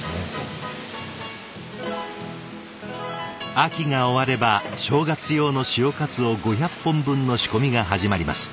秋が終われば正月用の潮かつお５００本分の仕込みが始まります。